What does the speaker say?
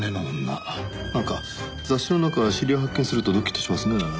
なんか雑誌の中に知り合い発見するとドキッとしますね。